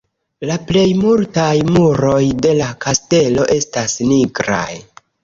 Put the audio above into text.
La plej multaj muroj de la kastelo estas nigraj.